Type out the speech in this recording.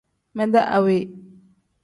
Mede awe.